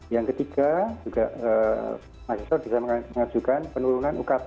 yang ketiga juga mahasiswa bisa mengajukan penurunan ukp